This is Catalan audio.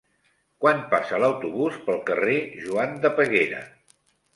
Quan passa l'autobús pel carrer Joan de Peguera?